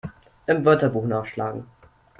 Im Wörterbuch nachschlagen!